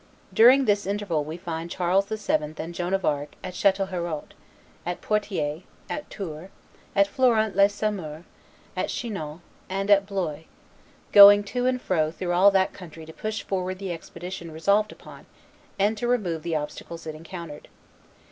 During this interval we find Charles VII. and Joan of Arc at Chatelherault, at Poitiers, at Tours, at Florent les Saumur, at Chinon, and at Blois, going to and fro through all that country to push forward the expedition resolved upon, and to remove the obstacles it encountered.